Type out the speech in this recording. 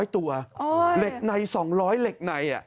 ๐ตัวเหล็กใน๒๐๐เหล็กใน